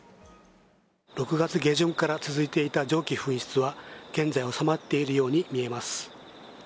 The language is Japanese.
６月下旬から続いていた蒸気噴出は現在収まっているように見えます。